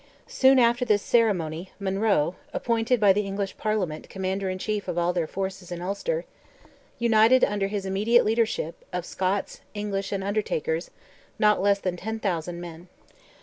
Soon after this ceremony, Monroe, appointed by the English Parliament Commander in Chief of all their forces in Ulster, united under his immediate leadership, of Scots, English, and Undertakers, not less than 10,000 men.